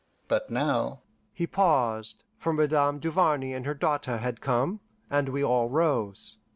But now " He paused, for Madame Duvarney and her daughter had come, and we all rose.